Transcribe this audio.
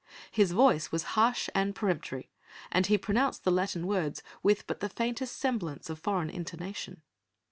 His voice was harsh and peremptory and he pronounced the Latin words with but the faintest semblance of foreign intonation.